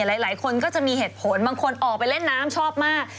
หลายคนก็จะมีเหตุผลบางคนออกไปเล่นน้ำชอบมาก